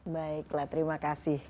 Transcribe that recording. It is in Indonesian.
baiklah terima kasih